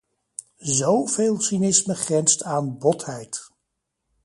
Zo veel cynisme grenst aan botheid!